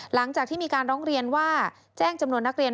หลังจากที่มีการร้องเรียนว่าแจ้งจำนวนนักเรียน